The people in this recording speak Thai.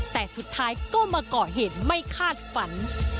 แต่สุดท้ายก็มาก่อเหตุไม่คาดฝัน